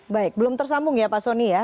baik belum tersambung ya pak soni ya